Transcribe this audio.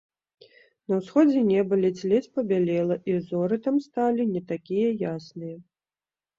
На ўсходзе неба ледзь-ледзь пабялела, і зоры там сталі не такія ясныя.